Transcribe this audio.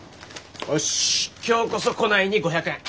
おし今日こそ来ないに５００円。